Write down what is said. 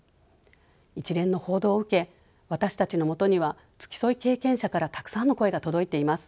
一連の報道を受け私たちのもとには付き添い経験者からたくさんの声が届いています。